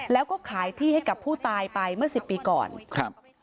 แล้วก็ขายที่ให้กับผู้ตายไปเมื่อสิบปีก่อนครับ